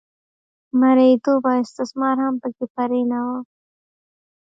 مریتوب او استثمار هم په کې پرېنه و.